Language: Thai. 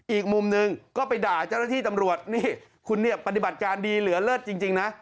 อีกมุมหนึ่งก็ไปด่าเจ้าหน้าที่ตำรวจนี่คุณเนี่ยปฏิบัติการดีเหลือเลิศจริงนะ